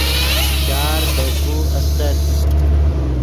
شار دے کو استت